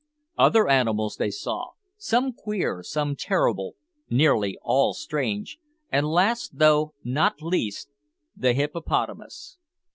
Other animals they saw some queer, some terrible, nearly all strange and last, though not least, the hippopotamus.